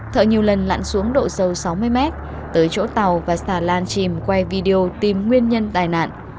thợ nhiều lần lặn xuống độ sâu sáu mươi m tới chỗ tàu và xà lan chìm quay video tìm nguyên nhân tai nạn